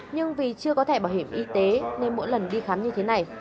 nhưng vì chưa có thẻ bảo hiểm y tế nên mỗi lần đi khám như thế này